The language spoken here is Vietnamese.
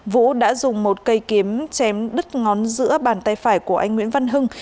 vũ đã dùng một cây kiếm chém đứt ngón giữa bàn tay phải của anh nguyễn văn hưng